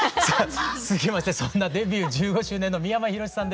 続きましてそんなデビュー１５周年の三山ひろしさんです。